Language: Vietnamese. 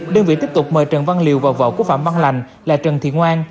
đơn vị tiếp tục mời trần văn liều vào vợ của phạm văn lành là trần thị ngoan